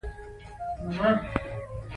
د هېواد اثار د ملي هویت برخه ده.